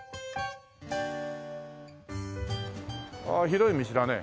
ああ広い道だね。